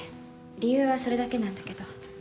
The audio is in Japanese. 理由はそれだけなんだけど